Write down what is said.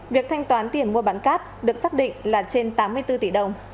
việc thanh toán tiền mua bán cát được xác định là trên tám mươi bốn tỷ đồng